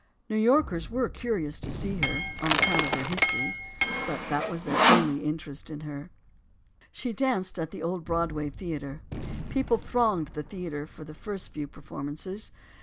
New Yorkers were curious to see her, on account of her history; but that was their only interest in her. She danced at the old Broadway Theater. People thronged the theater for the first few performances.